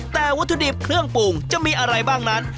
แต่วัตถุดิบเครื่องปรุงจะมีอะไรบ้างนั้น